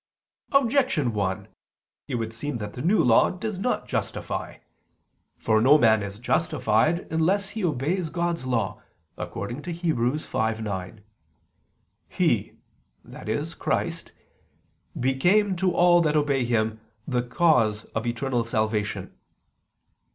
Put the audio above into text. Objection 1: It would seem that the New Law does not justify. For no man is justified unless he obeys God's law, according to Heb. 5:9: "He," i.e. Christ, "became to all that obey Him the cause of eternal salvation."